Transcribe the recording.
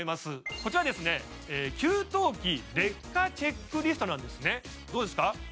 こちら給湯器劣化チェックリストですどうですか？